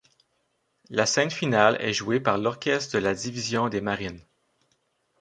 La scène finale est jouée par l'orchestre de la division des marines.